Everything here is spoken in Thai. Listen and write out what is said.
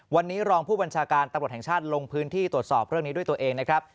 วันนี้รองผู้บัญชาการตำรวจแห่งชาติลงพื้นที่ตรวจสอบเรื่องนี้ด้วยตัวเองนะครับ